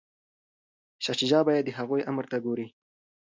شاه شجاع باید د هغوی امر ته ګوري.